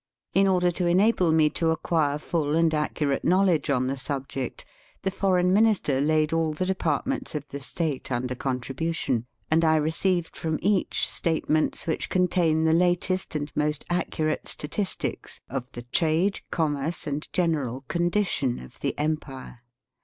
In order to enable me to acquire full and accu rate knowledge on the subject, the Foreign Minister laid all the departments of the State under contribution, and I received from each statements which contain the latest and most accurate statistics of the trade, commerce, and general condition of the empire.